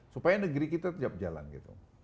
supaya negeri kita tetap jalan gitu